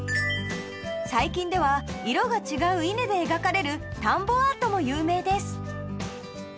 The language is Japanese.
最近では色が違う稲で描かれる田んぼアートも有名です